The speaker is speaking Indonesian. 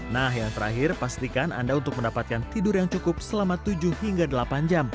nah yang terakhir pastikan anda untuk mendapatkan tidur yang cukup selama tujuh hingga delapan jam